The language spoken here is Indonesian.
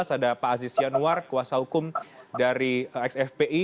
ada pak aziz yanuar kuasa hukum dari ex fpi